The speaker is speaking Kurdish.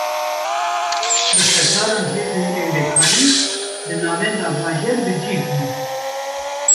Bi hezaran hêzên ewlekarî, li navenda bajêr bi cih bûne